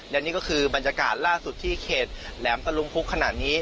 และนี่ก็คือบรรยากาศล่าสุดที่เขตแหลมตะลุงพุกขนาดนี้